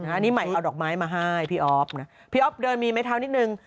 อันนี้ใหม่เอาดอกไม้มาให้พี่อ๊อฟนะพี่อ๊อฟเดินมีไม้เท้านิดนึง